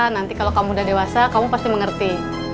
nanti kalau kamu udah dewasa kamu pasti mengerti